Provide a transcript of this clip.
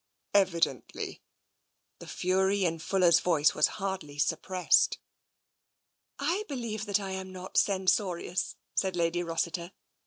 " Evidently." The fury in Fuller's voice was hardly suppressed. " I believe that I am not censorious," said Lady Rossiter.